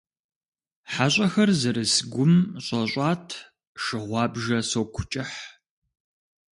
ХьэщӀэхэр зэрыс гум щӀэщӀат шы гъуабжэ соку кӀыхь.